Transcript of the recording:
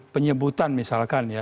penyebutan misalkan ya